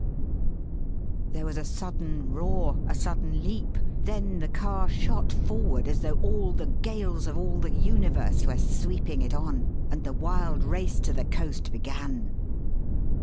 There was a sudden roar, a sudden leap; then the car shot forward as though all the gales of all the universe were sweeping it on, and the wild race to the coast began.